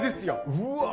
うわ！